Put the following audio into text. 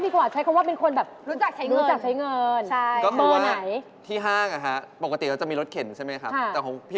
ของโน๊ตเหรอโน๊ตเป็นคนใจเร็วด่วนได้